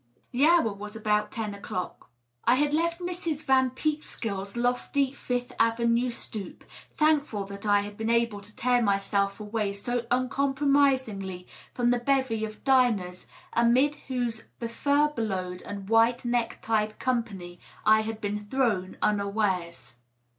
The hour was about ten o'clock. I had left Mrs. Van PeekskilFs lofty Fifth Avenue stoop, thankful that I had been able to tear myself away so uncompromisingly from the bevy of diners amid whose befur belowed and white necktied company I had been thrown unawares.